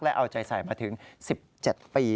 และเอาใจใส่มาถึง๑๗ปี